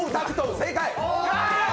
正解！